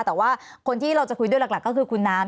แต่ว่าคนที่เราจะคุยด้วยหลักก็คือคุณน้ำ